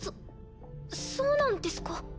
そそうなんですか。